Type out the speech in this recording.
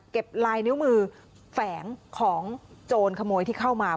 ลายนิ้วมือแฝงของโจรขโมยที่เข้ามา